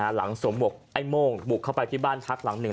สวมหวกไอ้โม่งบุกเข้าไปที่บ้านพักหลังหนึ่ง